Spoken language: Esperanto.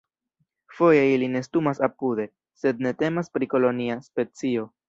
Foje ili nestumas apude, sed ne temas pri kolonia specio.